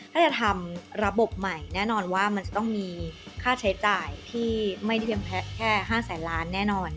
ถ้าจะทำระบบใหม่แน่นอนว่ามันจะต้องมีค่าใช้จ่ายที่ไม่ได้เพียงแค่๕แสนล้านแน่นอน